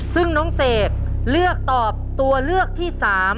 ซึ่งน้องเสกเลือกตอบตัวเลือกที่๓